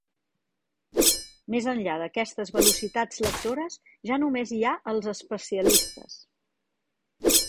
Més enllà d'aquestes velocitats lectores ja només hi ha els especialistes.